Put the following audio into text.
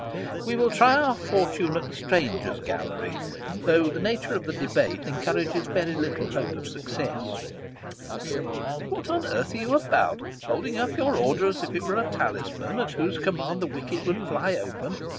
We will try our fortune at the Strangers' Gallery, though the nature of the debate encourages very little hope of success. What on earth are you about ? Holding up your order as if it were a talisman at whose command the wicket would fly open !